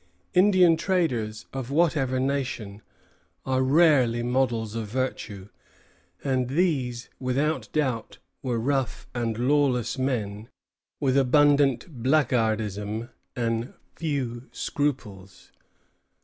Indian traders, of whatever nation, are rarely models of virtue; and these, without doubt, were rough and lawless men, with abundant blackguardism and few scruples.